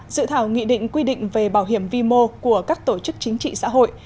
dự thảo nghị định quy định về bảo hiểm vi mô của các tổ chức chính trị xã hội